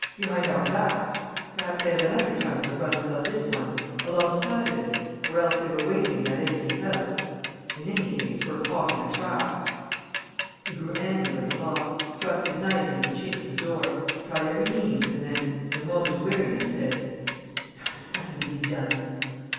Behind our backs! ... Perhaps they have another tunnel that runs above this one, alongside of it ... or else they were waiting in that empty house. ... In any case, we're caught in a trap. ..." He grew angry with the lock, thrust his knife into the chink of the door, tried every means and then, in a moment of weariness, said: "There's nothing to be done!"